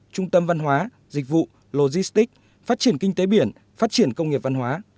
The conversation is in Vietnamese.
trung tâm văn hóa dịch vụ logistic phát triển kinh tế biển phát triển công nghiệp văn hóa